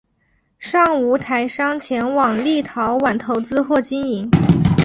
尚无台商前往立陶宛投资或经营。